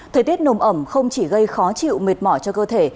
thời tiết nồm ẩm không chỉ gây khó chịu mệt mỏi cho cơ thể